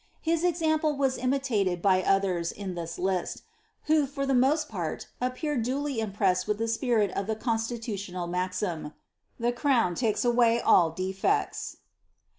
His example was imitated by others in ihis list, who for the most part appeared duly impressed with the spirit of the constitutional maxim —*' The crown takes away all defects."